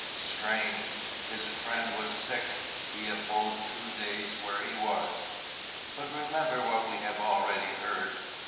"Strange! his friend was sick: he abode two days where he was! But remember what we have already heard.